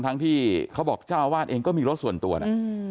ทั้งที่เขาบอกเจ้าอาวาสเองก็มีรถส่วนตัวนะ